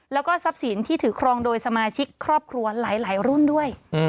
แล้วก็ทรัพย์สินที่ถือครองโดยสมาชิกครอบครัวหลายรุ่นด้วย